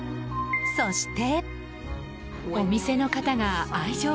そして。